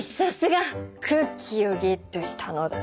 クッキーをゲットしたのだ。